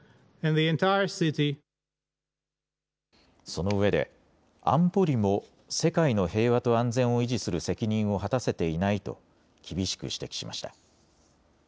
そのうえで安保理も世界の平和と安全を維持する責任を果たせていないと厳しく指摘しました。